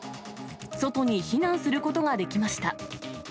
外に避難することができました。